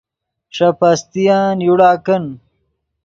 ݰے پستین یوڑا کن